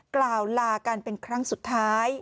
กล่าวลากันเป็นครั้งสุดท้าย